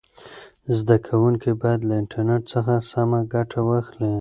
زده کوونکي باید له انټرنیټ څخه سمه ګټه واخلي.